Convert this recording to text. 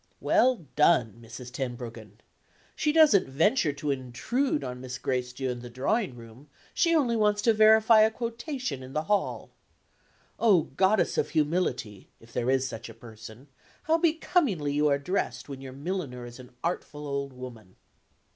Well done, Mrs. Tenbruggen! She doesn't venture to intrude on Miss Gracedieu in the drawing room; she only wants to verify a quotation in the hall. Oh, goddess of Humility (if there is such a person), how becomingly you are dressed when your milliner is an artful old woman!